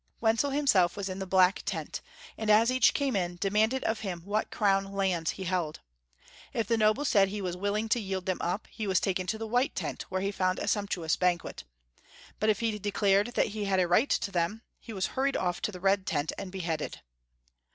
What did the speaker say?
Wenzel himself was in the black tent, and as each came in, demanded of him what crown lands he held. K the noble said he was willing to yield them up, he was taken to the white tent, where he found a sumptuous banquet ; but if he declared that he had a right to them, he was hurried off to the red tent and beheaded.